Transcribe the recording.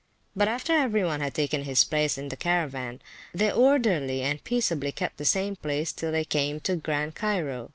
But after every one had taken his place in the Caravan, they orderly and peaceably kept the same place till they came to Grand Cairo.